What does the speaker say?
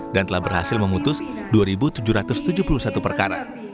dan telah berhasil memutus dua tujuh ratus tujuh puluh satu perkara